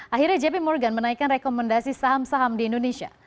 akhirnya jp morgan menaikkan rekomendasi saham saham di indonesia